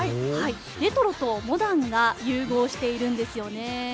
レトロとモダンが融合しているんですよね。